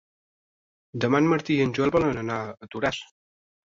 Demà en Martí i en Joel volen anar a Toràs.